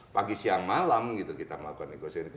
pagi siang malam gitu kita melakukan negosiasi